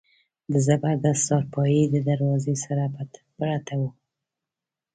د زبردست څارپايي د دروازې سره پرته وه.